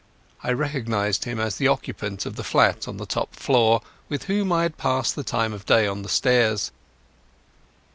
I recognized him as the occupant of a flat on the top floor, with whom I had passed the time of day on the stairs.